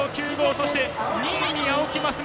そして、２位に青木益未。